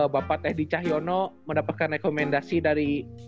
bapak teddy cahyono mendapatkan rekomendasi dari